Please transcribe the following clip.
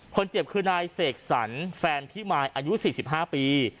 คนเจ็บคือนายเสกสรรแฟนพิมายอายุ๔๕ปี